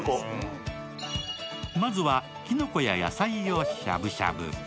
まずはきのこや野菜をしゃぶしゃぶ。